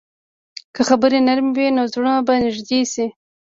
که خبرې نرمې وي، نو زړونه به نږدې شي.